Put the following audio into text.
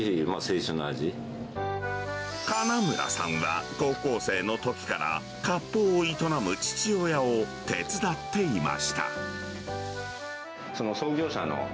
金村さんは高校生のときからかっぽうを営む父親を手伝っていました。